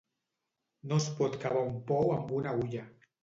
No es pot cavar un pou amb una agulla.